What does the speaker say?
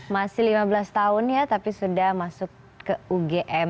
masih lima belas tahun ya tapi sudah masuk ke ugm